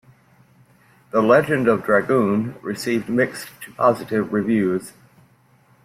"The Legend of Dragoon" received mixed to positive reviews.